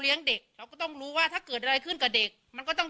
เด็กเราก็ต้องรู้ว่าถ้าเกิดอะไรขึ้นกับเด็กมันก็ต้อง